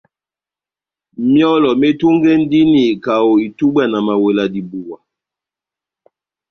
Myɔ́lɔ metungɛndini kaho itubwa na mawela dibuwa.